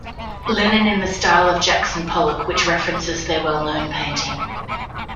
Lenin in the Style of Jackson Pollock which references their well-known painting.